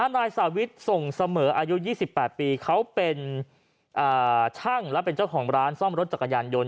นายสาวิทส่งเสมออายุ๒๘ปีเขาเป็นช่างและเป็นเจ้าของร้านซ่อมรถจักรยานยนต